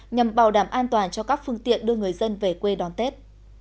nhằm bảo đảm an toàn cho các phương tiện đưa người dân về quê đón tết